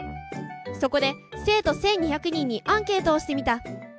そこで生徒１，２００人にアンケートをしてみた。